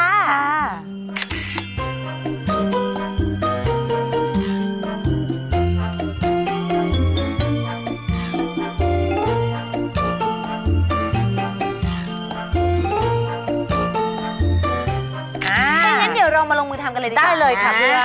ถ้าอย่างนั้นเดี๋ยวเรามาลงมือทำกันเลยดีกว่าได้เลยค่ะ